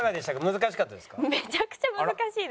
難しかったですか？